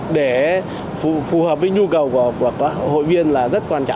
để phù hợp với nhu cầu của hội viên là rất quan trọng